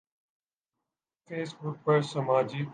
face بک پر سماجی